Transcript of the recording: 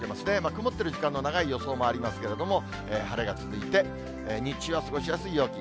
曇ってる時間の長い予想もありますけれども、晴れが続いて、日中は過ごしやすい陽気。